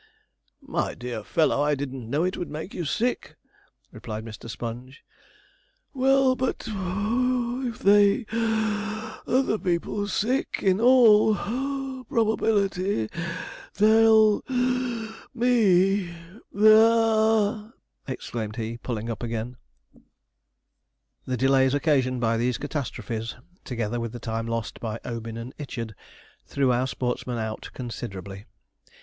'My dear fellow, I didn't know it would make you sick,' replied Mr. Sponge. 'Well, but (puff) if they (wheeze) other people sick, in all (puff) probability they'll (wheeze) me. There!' exclaimed he, pulling up again. The delays occasioned by these catastrophes, together with the time lost by 'Obin and Ichard,' threw our sportsmen out considerably.